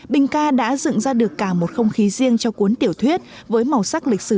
bình ca đã dựng ra được cả một không khí riêng cho cuốn tiểu thuyết với màu sắc lịch sử